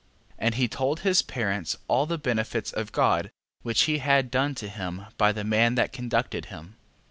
And he told his parents all the benefits of God, which he had done to him by the man that conducted him.